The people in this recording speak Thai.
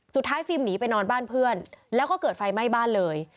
ฟิล์มหนีไปนอนบ้านเพื่อนแล้วก็เกิดไฟไหม้บ้านเลย